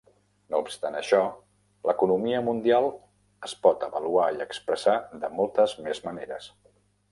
No obstant això, l'economia mundial es pot avaluar i expressar de moltes més maneres.